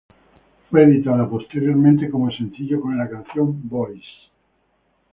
Fue editada posteriormente como sencillo con la canción "Boys".